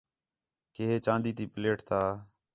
کہ ہے چاندی تی پلیٹ تا